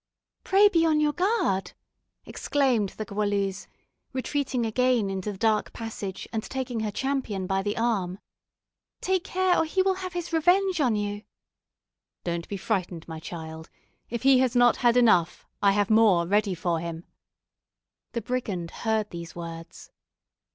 "Pray be on your guard!" exclaimed the Goualeuse, retreating again into the dark passage, and taking her champion by the arm; "take care, or he will have his revenge on you." "Don't be frightened, my child; if he has not had enough, I have more ready for him." The brigand heard these words.